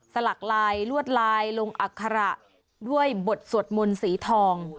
สลักลายลวดลายลงอัคระด้วยบทสวดมนต์สีทอง